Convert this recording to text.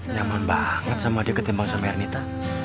nyaman banget sama dia ketimbang sama ernita